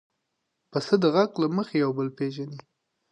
پسه د غږ له مخې یو بل پېژني.